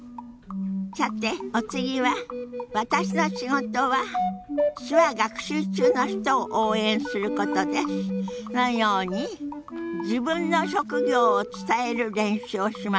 さてお次は「私の仕事は手話学習中の人を応援することです」のように自分の職業を伝える練習をしますよ。